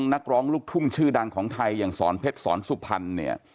นักร้องลูกทุ่มชื่อดังของไทยอย่างสรเพชรสรภัณฑ์